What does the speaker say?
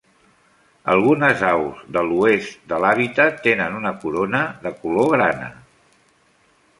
Algunes aus de l'oest de l'hàbitat tenen una corona de color grana.